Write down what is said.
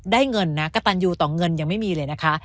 เงินนะกระตันยูต่อเงินยังไม่มีเลยนะคะ